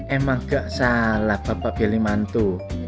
emang nggak salah bapak belimantu